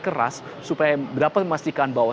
keras supaya dapat memastikan bahwa